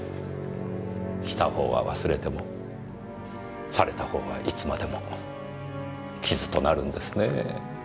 したほうは忘れてもされたほうはいつまでも傷となるんですねぇ。